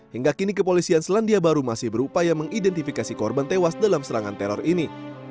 hingga kini kepolisian selandia baru masih berupaya mengidentifikasi korban tewas dalam serangan teror ini